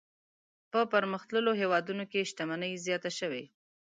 په پرمختللو هېوادونو کې شتمني زیاته شوې.